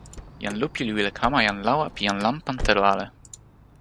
jan Lupi li wile kama jan lawa pi jan lanpan telo ale.